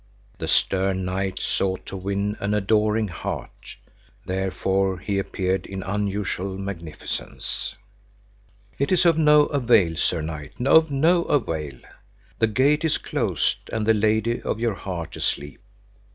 The stern knight sought to win an adoring heart, therefore he appeared in unusual magnificence. It is of no avail, Sir Knight, of no avail! The gate is closed, and the lady of your heart asleep.